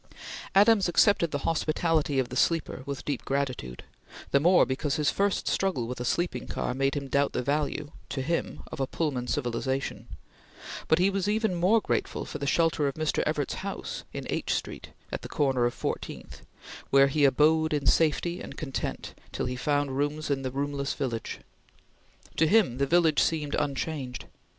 Adams accepted the hospitality of the sleeper, with deep gratitude, the more because his first struggle with a sleeping car made him doubt the value to him of a Pullman civilization; but he was even more grateful for the shelter of Mr. Evarts's house in H Street at the corner of Fourteenth, where he abode in safety and content till he found rooms in the roomless village. To him the village seemed unchanged.